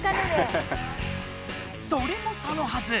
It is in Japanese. それもそのはず！